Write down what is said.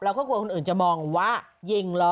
เราก็กลัวคนอื่นจะมองว่ายิงเหรอ